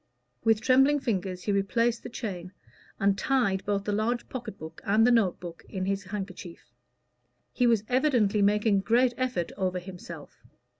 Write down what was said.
With trembling fingers he replaced the chain, and tied both the large pocket book and the note book in his handkerchief. He was evidently making a great effort over himself.